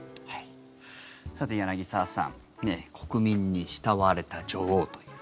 さて、柳澤さん国民に慕われた女王という。